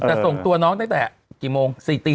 แต่ส่งตัวน้องตั้งแต่กี่โมง๔ตี